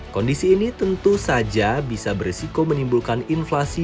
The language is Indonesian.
kondisi ini tentu saja bisa beresiko menimbulkan inflasi